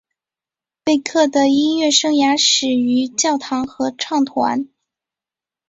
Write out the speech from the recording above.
贝克的音乐生涯始于教堂合唱团。